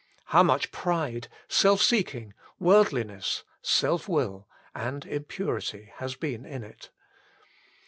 How much pride, self seeking, worldliness, self will, and impurity has been in it.